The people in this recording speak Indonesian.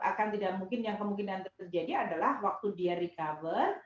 akan tidak mungkin yang kemungkinan terjadi adalah waktu dia recover